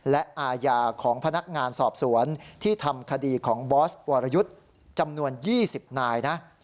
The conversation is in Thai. และอาญาของพนักงานสอบสวนที่ทำคดีของบอสวรยุทธ์จำนวน๒๐นายนะ